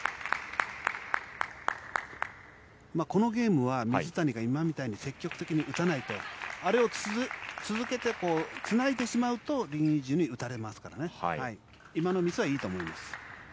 このゲームは水谷が今みたいに積極的に打たないとあれを続けてつないでしまうとリン・インジュに打たれますから今のミスは、いいと思います。